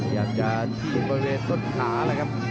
อยากจะยิงบริเวณต้นขาเลยครับ